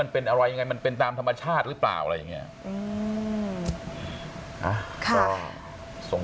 เป็นอะไรยังไงมันเป็นตามธรรมชาติหรือเปล่าอะไรอย่างนี้